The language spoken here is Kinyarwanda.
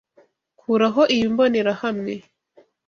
Kuraho iyi mbonerahamwe.